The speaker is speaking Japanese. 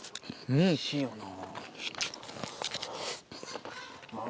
おいしいよな。